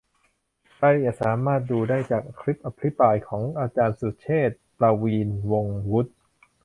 รายละเอียดสามารถดูได้จากคลิปอภิปรายของอาจารย์สุรเชษฐ์ ประวีณวงศ์วุฒิ